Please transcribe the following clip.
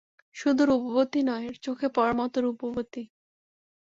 শুধু রূপবতী নয়, চোখে পড়ার মতো রূপবতী।